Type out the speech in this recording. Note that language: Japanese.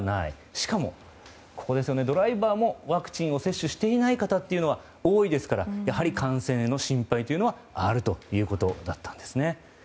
しかもドライバーもワクチンを接種していない方が多いですから感染への心配はあるということだったんですね。